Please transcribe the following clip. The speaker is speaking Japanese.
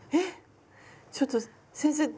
ちょっと先生全然。